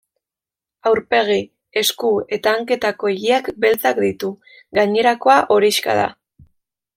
Aurpegi, esku eta hanketako ileak beltzak ditu; gainerakoa horixka da.